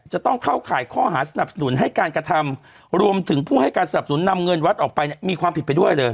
จะต้องเข้าข่ายข้อหาสนับสนุนให้การกระทำรวมถึงผู้ให้การสนับสนุนนำเงินวัดออกไปเนี่ยมีความผิดไปด้วยเลย